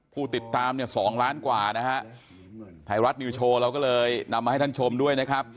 ผู้ติดตามเนี่ยสองล้านกว่านะฮะไทยรัฐนิวโชว์เราก็เลยนำมาให้ท่านชมด้วยนะครับ